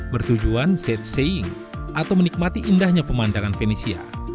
bertujuan setseing atau menikmati indahnya pemandangan venesia